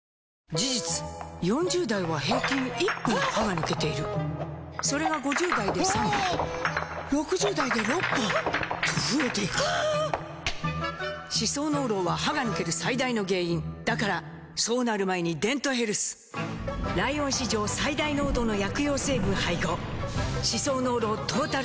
事実４０代は平均１本歯が抜けているそれが５０代で３本６０代で６本と増えていく歯槽膿漏は歯が抜ける最大の原因だからそうなる前に「デントヘルス」ライオン史上最大濃度の薬用成分配合歯槽膿漏トータルケア！